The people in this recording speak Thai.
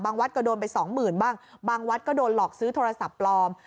บางวัดก็โดนไป๒๐๐๐๐บ้างบางวัดก็โดนหลอกซื้อโทรศัพท์ปลอม